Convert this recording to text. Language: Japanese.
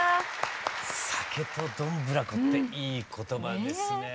「酒とどんぶらこ」っていい言葉ですね。